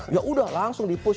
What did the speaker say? ya udah langsung di push